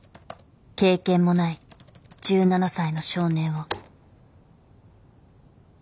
経験もない１７才の少年を。